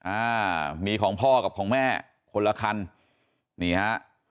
อ่ามีของพ่อกับของแม่คนละคันนี่ฮะ